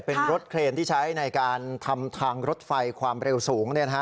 เป็นรถเครนที่ใช้ในการทำทางรถไฟความเร็วสูง